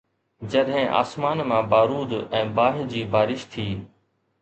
جڏهن آسمان مان بارود ۽ باهه جي بارش ٿي.